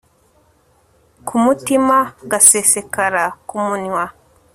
kumutima gasesekara kumunwa